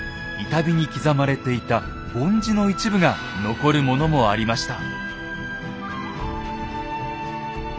板碑に刻まれていた梵字の一部が残るものもありました。